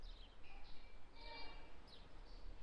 夜间减少蓝光照射与褪黑激素分泌增加有关。